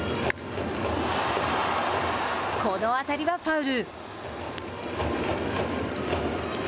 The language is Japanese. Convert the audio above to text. この当たりはファウル。